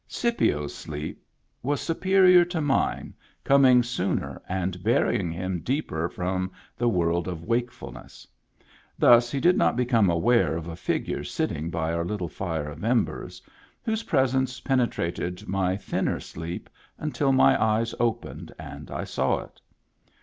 Scipio's sleep was superior to mine, com ing sooner and burying him deeper from the world of wakefulness. Thus he did not become aware of a figure sitting by our little fire of embers^ whose presence penetrated my thinner sleep until my eyes opened and saw it.